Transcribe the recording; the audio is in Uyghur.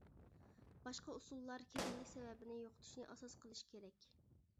باشقا ئۇسۇللار كېسەللىك سەۋەبىنى يوقىتىشنى ئاساس قىلىش كېرەك.